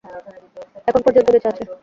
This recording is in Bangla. এখন পর্যন্ত বেঁচে আছে।